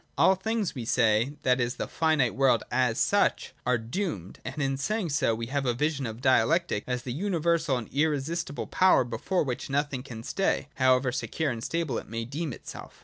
All things, we say, — that is, the finite world as such, — are doomed ; and in saying so, we have a vision of Dialectic as the universal and irresistible power before which nothing can stay, however secure and stable it may deem itself.